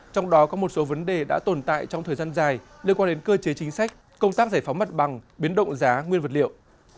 trong đó có một số vấn đề đã tồn tại trong thời gian dài liên quan đến cơ chế chính sách công tác giải phóng mặt bằng biến động giá nguyên vật liệu